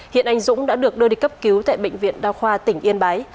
hiện anh dũng đã được đưa đi cấp cứu tại bệnh viện đa khoa tỉnh yên bái